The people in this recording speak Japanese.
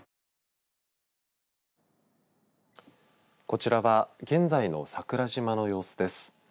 こちらは現在の桜島の様子です。